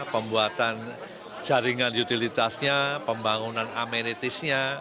pembuatan jaringan utilitasnya pembangunan amenitisnya